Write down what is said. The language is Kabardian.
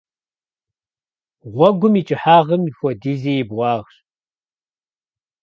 Гъуэгум и кӀыхьагъым хуэдизи и бгъуагъщ.